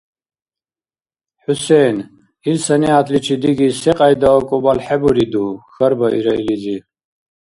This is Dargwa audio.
— ХӀусен, ил санигӀятличи диги секьяйда акӀубал хӀебуриду? — хьарбаира илизи.